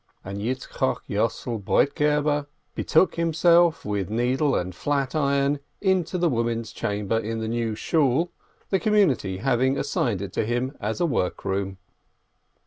And Yitzchok Yossel Broitgeber be took himself, with needle and flat iron, into the women's chamber in the New Shool, the community having assigned it to him as a workroom.